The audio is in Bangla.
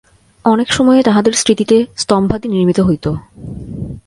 অনেক সময়ে তাঁহাদের স্মৃতিতে স্তম্ভাদি নির্মিত হইত।